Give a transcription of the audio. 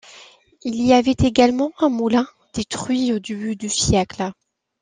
Il y avait également un moulin, détruit au début du siècle.